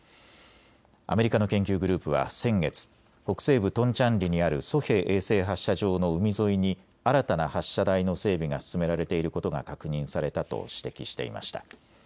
アメリカの研究グループは先月、北西部トンチャンリにあるソヘ衛星発射場の海沿いに新たな発射台の整備が進められていることが確認されたと指摘していました。